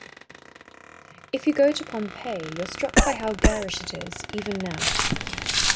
If you go to Pompeii, you're struck by how garish it is, even now.